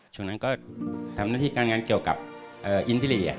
ช่วงนั้นก็ทำหน้าที่การงานเกี่ยวกับอินทิลี